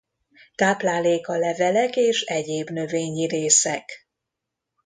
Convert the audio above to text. Tápláléka levelek és egyéb növényi részek.